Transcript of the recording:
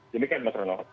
demikian mas renon